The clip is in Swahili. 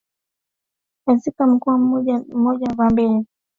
katika mkoa mmoja mmoja Vambery inabainisha umati